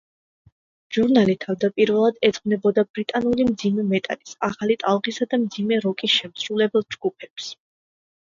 ჟურნალი თავდაპირველად ეძღვნებოდა ბრიტანული მძიმე მეტალის ახალი ტალღისა და მძიმე როკის შემსრულებელ ჯგუფებს.